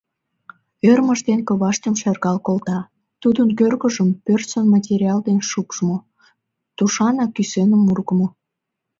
Ӧрмыж дене коваштым шергал колта: тудын кӧргыжым порсын материал дене шупшмо, тушанак кӱсеным ургымо...